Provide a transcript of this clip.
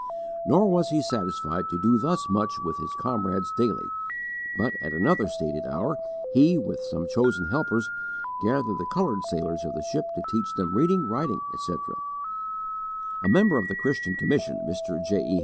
Nor was he satisfied to do thus much with his comrades daily, but at another stated hour he, with some chosen helpers, gathered the coloured sailors of the ship to teach them reading, writing, etc. A member of the Christian Commission, Mr. J. E.